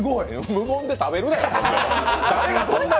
無言で食べるなよ！